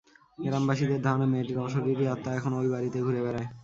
গ্রামবাসীদের ধারণা, মেয়েটির অশরীরী আত্মা এখনো ঐ বাড়িতে ঘুরে বেড়ায়।